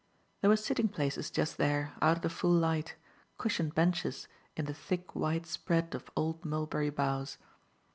There were sitting places, just there, out of the full light, cushioned benches in the thick wide spread of old mulberry boughs.